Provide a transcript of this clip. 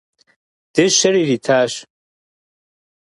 Дыщэр иритащ.